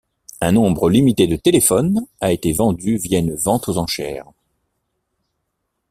Un nombre limité de téléphones a été vendu via une vente aux enchères.